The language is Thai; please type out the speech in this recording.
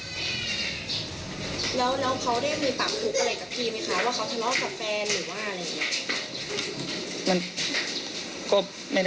แล้วเขาได้มีปากผูกอะไรกับพี่ไหมคะ